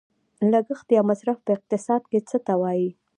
لګښت یا مصرف په اقتصاد کې څه ته وايي؟